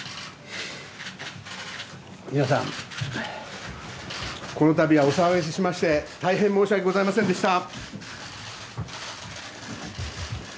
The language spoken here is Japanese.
皆さん、このたびはお騒がせしまして、大変申し訳ございませんでした。